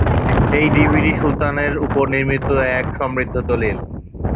এই ডিভিডি সুলতানের ওপর নির্মিত এক সমৃদ্ধ দলিল।